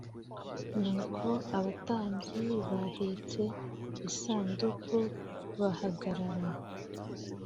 Nuko abatambyi bahetse isanduku bahagarara